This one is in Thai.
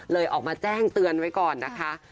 ออกมาแจ้งเตือนไว้ก่อนนะคะ